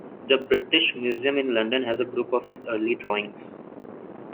The British Museum in London has a group of his early drawings.